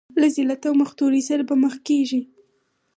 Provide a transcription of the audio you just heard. له ذلت او مختورۍ سره به مخ کېږي.